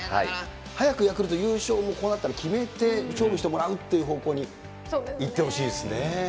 早くヤクルト優勝、こうなったら決めて勝負してもらうっていう方向に行ってほしいですね。